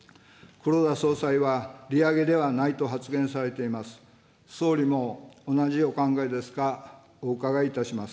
黒田総裁は利上げではないと発言されています。